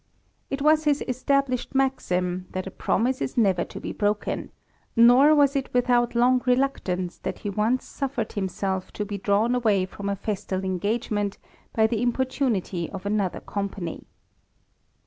It was his established maxim, that a promise is never to be broken ; nor was it without long reluctance that he once suffered himself to be drawn away from a festal engagement by the importunity of another company.